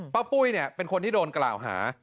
ปุ้ยเป็นคนที่โดนกล่าวหา